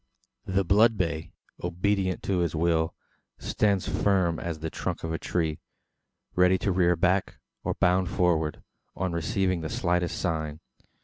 The blood bay, obedient to his will, stands firm as the trunk of a tree ready to rear back, or bound forward, on receiving the slightest sign.